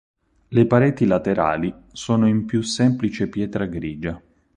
Le pareti laterali sono in più semplice pietra grigia.